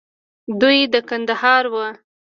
دوى د کندهار وو.